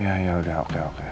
ya ya udah oke oke